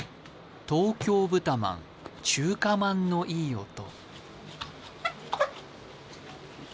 東京豚饅、中華まんのいい音。